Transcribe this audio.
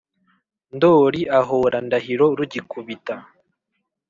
Ndoli ahora Ndahiro rugikubita